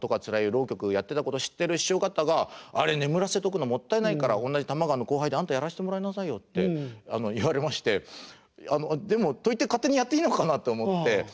浪曲やってたこと知ってる師匠方が「あれ眠らせておくのもったいないから同じ玉川の後輩であんたやらせてもらいなさいよ」って言われましてでもといって勝手にやっていいのかなと思って。